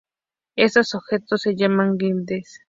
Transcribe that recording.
Estos objetos se llaman widgets.